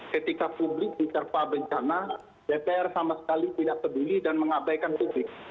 ketika publik diterpah bencana dpr sama sekali tidak peduli dan mengabaikan publik